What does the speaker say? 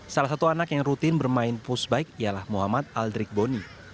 salah satu anak yang rutin bermain pushbike ialah muhammad aldrik boni